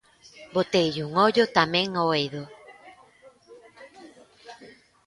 Boteille un ollo tamén ó eido.